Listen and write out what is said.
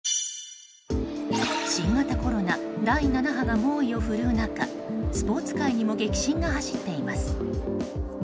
新型コロナ第７波が猛威を振るう中スポーツ界にも激震が走っています。